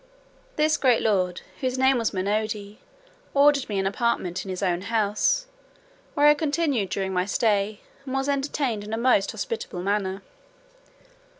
This great lord, whose name was Munodi, ordered me an apartment in his own house, where I continued during my stay, and was entertained in a most hospitable manner.